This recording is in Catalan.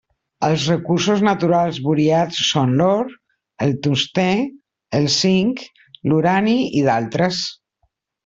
Els recursos naturals buriats són l'or, el tungstè, el zinc, l'urani i d'altres.